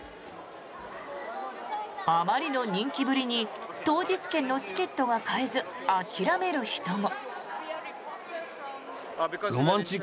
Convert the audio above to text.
あまりの人気ぶりに当日券のチケットが買えず諦める人も。